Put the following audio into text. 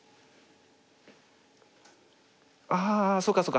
ああそっかそっか。